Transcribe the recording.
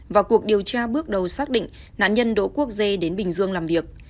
vào cuộc điều tra bước đầu xác định nạn nhân đỗ quốc dê đến bình dương làm việc